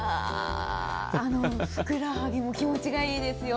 ふくらはぎも気持ちいいですよ。